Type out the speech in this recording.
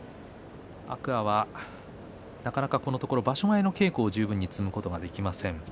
天空海は、なかなかこのところ場所前の稽古が十分に積むことができません。